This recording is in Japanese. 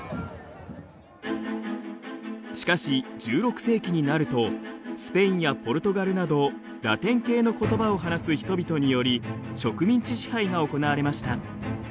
しかし１６世紀になるとスペインやポルトガルなどラテン系のことばを話す人々により植民地支配が行われました。